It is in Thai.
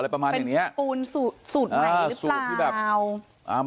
เป็นปูนสูดแหล่งหรือเปล่า